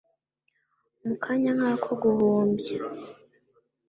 mu kanya nk'ako guhumbya,